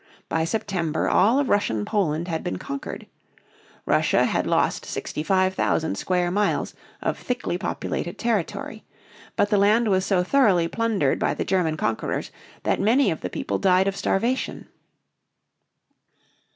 By September all of Russian Poland had been conquered. Russia had lost 65,000 square miles of thickly populated territory. But the land was so thoroughly plundered by the German conquerors that many of the people died of starvation.